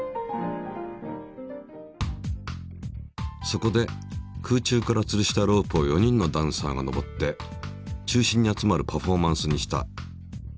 そこで空中からつるしたロープを４人のダンサーが上って中心に集まるパフォーマンスにした。